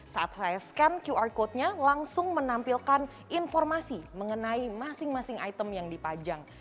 saat saya scan qr code nya langsung menampilkan informasi mengenai masing masing item yang dipajang